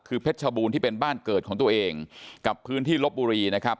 คือเพชรชบูรณ์ที่เป็นบ้านเกิดของตัวเองกับพื้นที่ลบบุรีนะครับ